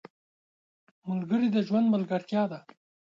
ملګري د ژوند ملګرتیا ده.